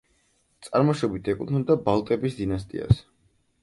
წარმოშობით ეკუთვნოდა ბალტების დინასტიას.